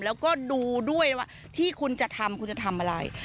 แล้วก็ดูด้วยว่าที่คุณจะทำคุณจะทำอะไร